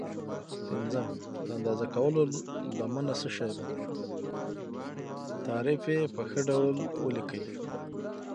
پنځم: د اندازه کولو لمنه څه شي ده؟ تعریف یې په ښه ډول ولیکئ.